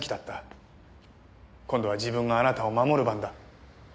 今度は自分があなたを守る番だ。